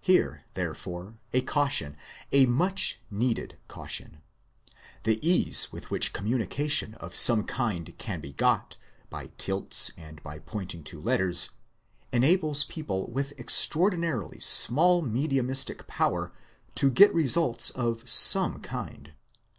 Here, therefore, a caution a much needed caution. The ease with which communication of some kind can be got, by tilts and by pointing to letters, enables people with extraordinarily small mediumistic power to get results of some kind.